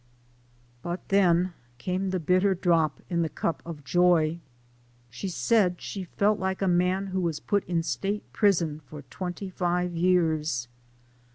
But then came the bitter drop in the cup of joy. fehe said she felt like a man who was put in State Prison for twenty five years.